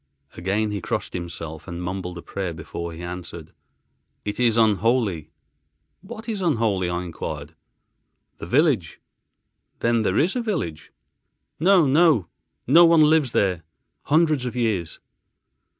Again he crossed himself and mumbled a prayer, before he answered, "It is unholy." "What is unholy?" I enquired. "The village." "Then there is a village?" "No, no. No one lives there hundreds of years."